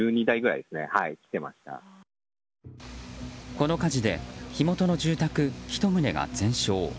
この火事で火元の住宅１棟が全焼。